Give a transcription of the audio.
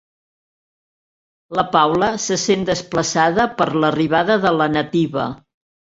La Paula se sent desplaçada per l'arribada de la nativa.